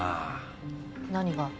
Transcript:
何が？